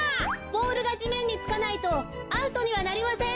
ボールがじめんにつかないとアウトにはなりません。